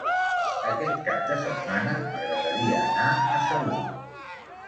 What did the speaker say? Aquest cap de setmana m'agradaria anar a Sagunt.